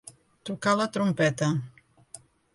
Tocar la trompeta.